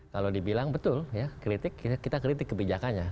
kalau dibilang betul ya kritik kita kritik kebijakannya